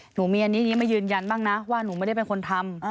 หนูมีอันนี้มายืนยันบ้างนะว่าหนูไม่ได้เป็นคนทำ